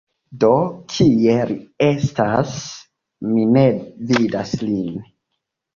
Do kie li estas? Mi ne vidas lin?